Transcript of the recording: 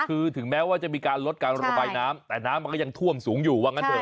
คือถึงแม้ว่าจะมีการลดการระบายน้ำแต่น้ำมันก็ยังท่วมสูงอยู่ว่างั้นเถอ